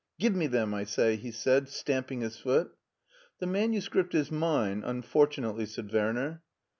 "Give me them, I say," he said, stamping his foot. "The manuscript is mine, unfortunately," said ;Werner.